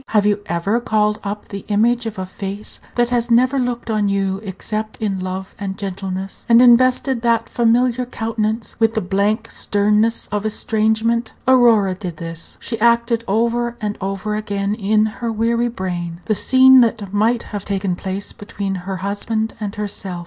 Have you ever called up the image of a face that has never looked on you except in love and gentleness, and invested that familiar countenance with the blank sternness of estrangement? Aurora did this. She acted over and over again in her weary brain the scene that might have taken place between her husband and herself.